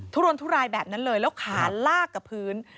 รนทุรายแบบนั้นเลยแล้วขาลากกับพื้น